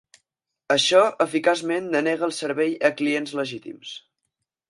Això eficaçment denega el servei a clients legítims.